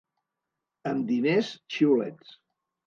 Amb diners, xiulets.